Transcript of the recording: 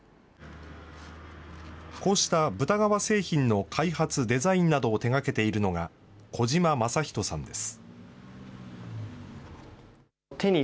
こうした豚革製品の開発、デザインなどを手がけているのが、児嶋真人さんです。